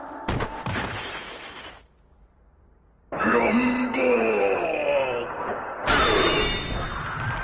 ランボーグ！